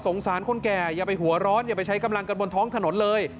สารคนแก่อย่าไปหัวร้อนอย่าไปใช้กำลังกันบนท้องถนนเลย